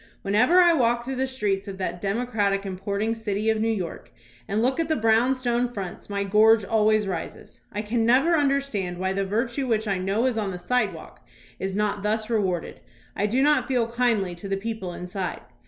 Whenever I walk through the streets of that democratic importing city of New York and look at the brownstone fronts my gorge al ways rises. I can never understand why the virtue which I know is on the sidewalk is not thus rewarded. I do not feel kindly to the people inside.